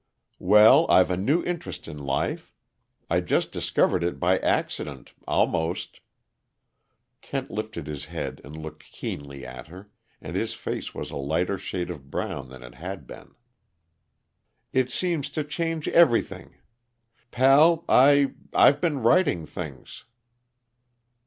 "Well, I've a new interest in life. I just discovered it by accident, almost " Kent lifted his head and looked keenly at her, and his face was a lighter shade of brown than it had been. "It seems to change everything. Pal, I I've been writing things."